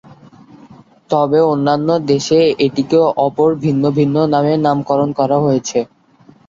তবে, অন্যান্য দেশে এটিকে অপর ভিন্ন ভিন্ন নামে নামকরণ করা হয়েছে।